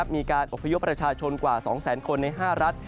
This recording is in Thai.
มีการอบพยพประชาชนกว่า๒แสนคนใน๕รัฐ